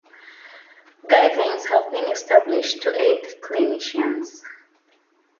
Guidelines have been established to aid clinicians.